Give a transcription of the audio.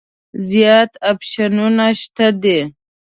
زیات اپشنونه شته دي.